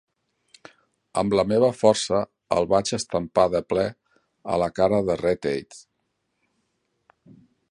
Amb la meva força el vaig estampar de ple a la cara de Red-Eye.